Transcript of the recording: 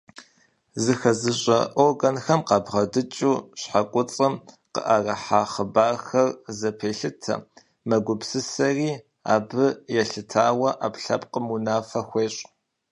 Зыхэзыщӏэ органхэм къабгъэдэкӏыу щхьэкуцӏым къыӏэрыхьа хъыбархэр зэпелъытэ, мэгупсысэри, абы елъытауэ ӏэпкълъэпкъым унафэ хуещӏ.